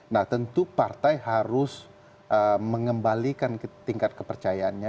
nah tentu partai harus mengembalikan tingkat kepercayaannya